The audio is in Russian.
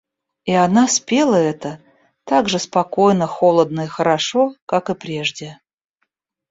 И она спела это так же спокойно, холодно и хорошо, как и прежде.